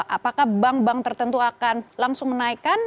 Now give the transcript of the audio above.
apakah bank bank tertentu akan langsung menaikkan